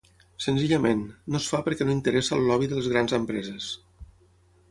Senzillament, no es fa perquè no interessa el lobby de les grans empreses.